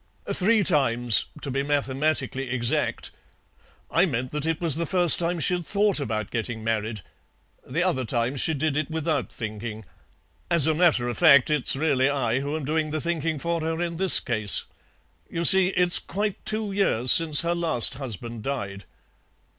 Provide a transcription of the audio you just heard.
"Three times, to be mathematically exact. I meant that it was the first time she'd thought about getting married; the other times she did it without thinking. As a matter of fact, it's really I who am doing the thinking for her in this case. You see, it's quite two years since her last husband died."